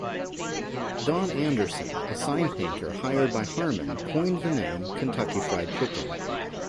Don Anderson, a sign painter hired by Harman, coined the name "Kentucky Fried Chicken".